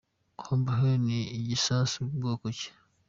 Bombe H ni igisasu bwoko ki ?